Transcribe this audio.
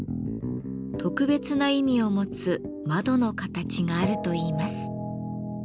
特別な意味を持つ「窓の形」があるといいます。